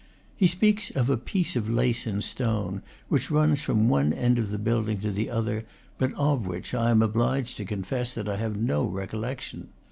He speaks of "a piece of lace in stone," which runs from one end of the building to the other, but of which I am obliged to confess that I have no recollection.